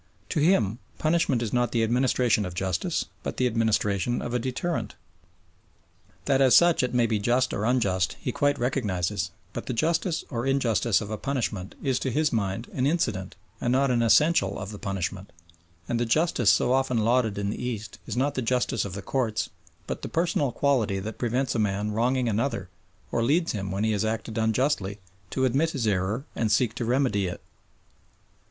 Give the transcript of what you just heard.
To him punishment is not the administration of justice but the administration of a deterrent. That as such it may be just or unjust he quite recognises, but the justice or injustice of a punishment is to his mind an incident and not an essential of the punishment, and the justice so often lauded in the East is not the justice of the courts but the personal quality that prevents a man wronging another or leads him when he has acted unjustly to admit his error and seek to remedy it.